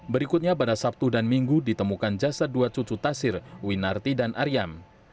berikutnya pada sabtu dan minggu ditemukan jasad dua cucu tasir winarti dan aryam